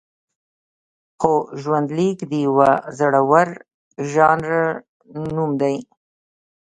خو ژوندلیک د یوه زړور ژانر نوم دی.